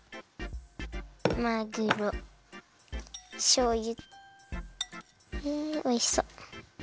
しょうゆ。わおいしそう。